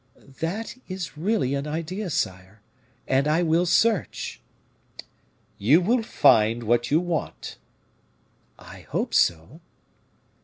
"That is really an idea, sire, and I will search." "You will find what you want." "I hope so."